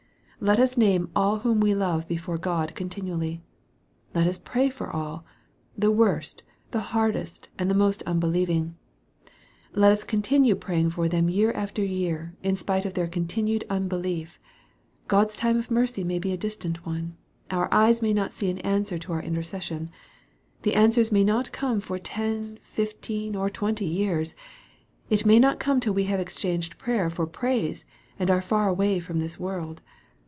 Let us name all whom we love before God continually. Let us pray for all the worst, the hard est, and the most unbelieving. Let us continue praying for them year after year, in spite of their continued un 1>elief. God's time of mercy may be a distant one. Our jyes may not see an answer to our intercession. The mswer may not come for ten, fifteen, or twenty years. [t may not come till we have exchanged prayer for praise, and are far away from this world.